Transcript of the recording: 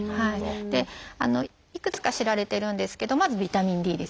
でいくつか知られてるんですけどまずビタミンＤですね。